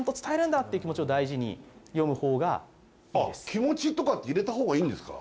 気持ちとかって入れた方がいいんですか。